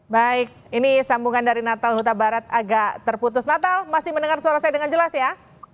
baik ini sambungan dari natal huta barat agak terputus natal masih mendengar suara saya dengan jelas ya